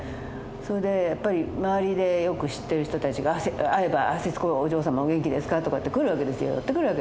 それでやっぱり周りでよく知ってる人たちが会えば「摂子お嬢様お元気ですか」とかって寄ってくるわけですよ。